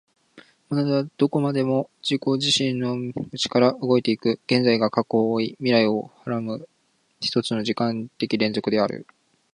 モナドはどこまでも自己自身の内から動いて行く、現在が過去を負い未来を孕はらむ一つの時間的連続である。